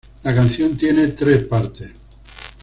La canción tiene tres partes.